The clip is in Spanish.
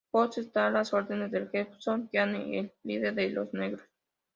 Post está a las órdenes de Jefferson Keane, el líder de los Negros.